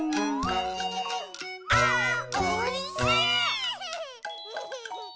「あーおいしい！」